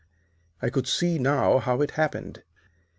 "I could see now how it had happened.